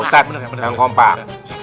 ustadz jangan kompak